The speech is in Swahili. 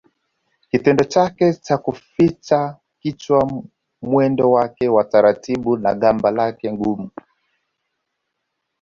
Kitendo chake cha kuficha kichwa mwendo wake wa taratibu na gamba lake gumu